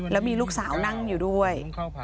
แล้วมีลูกสาวนั่งอยู่ด้วย